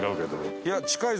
いや近いぞ！